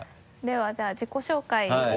ではじゃあ自己紹介ではい。